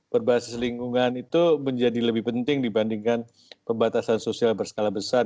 berbasis lingkungan itu menjadi lebih penting dibandingkan pembatasan sosial berskala besar